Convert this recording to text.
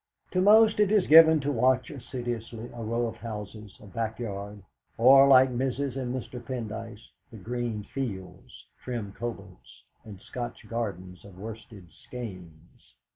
To most it is given to watch assiduously a row of houses, a back yard, or, like Mrs. and Mr. Pendyce, the green fields, trim coverts, and Scotch garden of Worsted Skeynes.